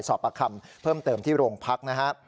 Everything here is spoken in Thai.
สอบประคำเพิ่มเติมที่โรงพักนะฮะ